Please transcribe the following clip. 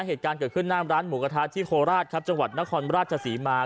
เหตุการณ์เกิดขึ้นหน้าร้านหมูกระทะที่โคราชครับจังหวัดนครราชศรีมา